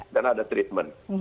dan ada treatment